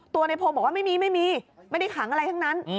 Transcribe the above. ในพงศ์บอกว่าไม่มีไม่มีไม่ได้ขังอะไรทั้งนั้น